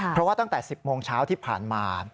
เพราะว่าตั้งแต่๑๐โมงเช้าที่ผ่านมา